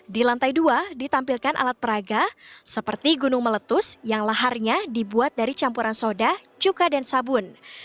di lantai dua ditampilkan alat peraga seperti gunung meletus yang laharnya dibuat dari campuran soda cuka dan sabun